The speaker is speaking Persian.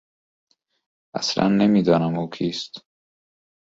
اصلا نمیدانم او کیست.